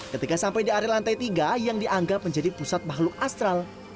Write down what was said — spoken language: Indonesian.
ketika sampai di area lantai tiga yang dianggap menjadi pusat makhluk astral